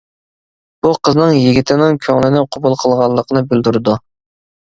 بۇ قىزنىڭ يىگىتنىڭ كۆڭلىنى قوبۇل قىلغانلىقىنى بىلدۈرىدۇ.